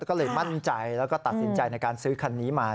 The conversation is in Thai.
ก็เลยมั่นใจแล้วก็ตัดสินใจในการซื้อคันนี้มา